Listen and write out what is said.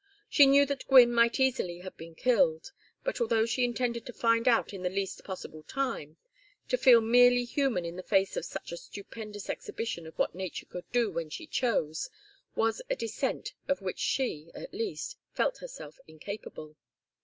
She knew that Gwynne might easily have been killed, but although she intended to find out in the least possible time, to feel merely human in the face of such a stupendous exhibition of what nature could do when she chose, was a descent of which she, at least, felt herself incapable.